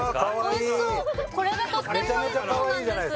おいしそうこれがとってもおいしそうなんです・